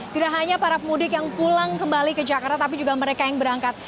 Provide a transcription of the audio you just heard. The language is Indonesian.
tidak hanya para pemudik yang pulang kembali ke jakarta tapi juga mereka yang berangkat